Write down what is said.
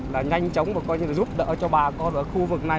là nhanh chóng và coi như là giúp đỡ cho bà con ở khu vực này